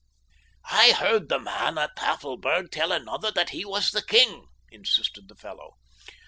"I heard the man at Tafelberg tell another that he was the king," insisted the fellow.